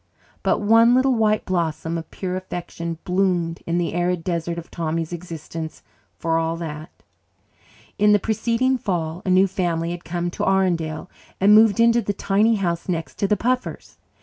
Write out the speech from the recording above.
But one little white blossom of pure affection bloomed in the arid desert of Tommy's existence for all that. In the preceding fall a new family had come to Arundel and moved into the tiny house next to the Puffers'.